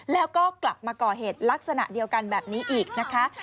แล้วก็กลับมาก่อเหตุลักษณะเดียวกันแบบนี้อีกนะคะ